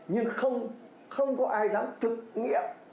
nhưng không không có ai dám thực nghiệm